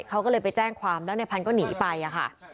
เขาก็เลยไปแจ้งความแล้วในพันธุ์ก็หนีไปค่ะ